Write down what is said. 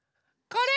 これ。